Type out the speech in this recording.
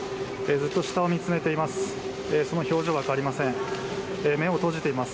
ずっと下を見つめています。